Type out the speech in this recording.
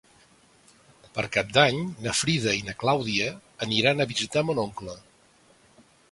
Per Cap d'Any na Frida i na Clàudia aniran a visitar mon oncle.